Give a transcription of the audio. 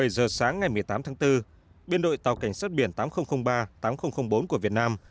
một mươi giờ sáng ngày một mươi tám tháng bốn biên đội tàu cảnh sát biển tám nghìn ba tám nghìn bốn của việt nam